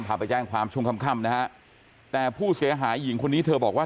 พาไปแจ้งความช่วงค่ำนะฮะแต่ผู้เสียหายหญิงคนนี้เธอบอกว่า